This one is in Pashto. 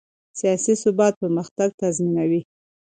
سیاسي ثبات پرمختګ تضمینوي